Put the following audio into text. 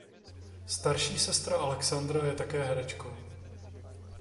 Starší sestra Alexandra je také herečkou.